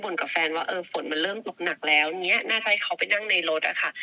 เรื่องตกหนักแล้วนี่น่าจะให้เขาไปนั่งในรถค่ะ